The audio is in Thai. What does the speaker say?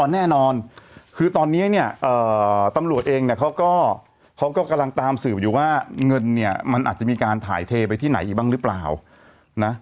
แน่นอนคือตอนนี้เนี่ยตำรวจเองเนี่ยเขาก็เขาก็กำลังตามสืบอยู่ว่าเงินเนี่ยมันอาจจะมีการถ่ายเทไปที่ไหนอีกบ้างหรือเปล่านะ